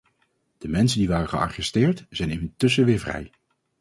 De mensen die waren gearresteerd zijn intussen weer vrij.